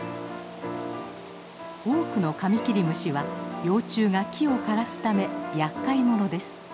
多くのカミキリムシは幼虫が木を枯らすためやっかいものです。